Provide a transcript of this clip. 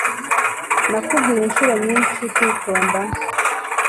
Nakubwiye inshuro nyinshi kwitonda.